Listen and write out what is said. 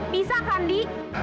bisa kak ndi